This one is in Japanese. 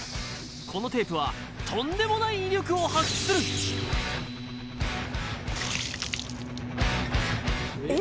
このテープはとんでもない威力を発揮するえ